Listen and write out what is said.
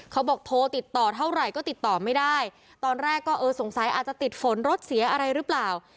เขาบอกโทรติดต่อเท่าไหร่ก็ติดต่อไม่ได้ตอนแรกก็เออสงสัยอาจจะติดฝนรถเสียอะไรหรือเปล่า